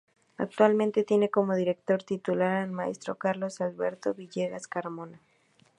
Actualmente tiene como director titular al maestro Carlos Alberto Villegas Carmona.